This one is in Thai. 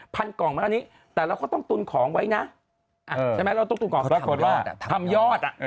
กล่องมาแล้วนี้แต่เราก็ต้องตุนของไว้นะใช่ไหมเราต้องตุนกล่องปรากฏว่าทำยอดอ่ะ